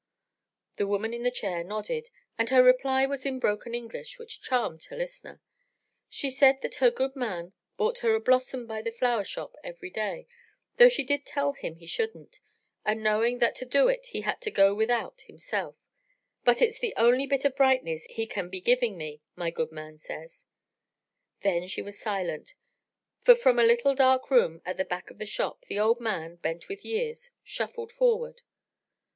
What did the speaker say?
The woman in the chair nodded, and her reply was in broken English, which charmed her listener. She said that her "good man" bought her a "blossom by the flower shop" every day, though she did tell him he shouldn't, she knowing that to do it he had to go without himself, but it's the only "bit of brightness he can be giving me," my good man says. Then she was silent, for from a little dark room at the back of the shop the old man, bent with years, shuffled forward.